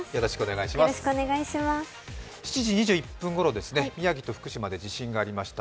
７時２１分ごろ、宮城と福島で地震がありました。